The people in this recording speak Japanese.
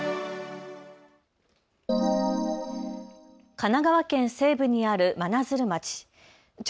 神奈川県西部にある真鶴町。